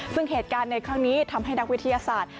ซึ่งเหตุการณ์ในครั้งนี้ทำให้นักวิทยาศาสตร์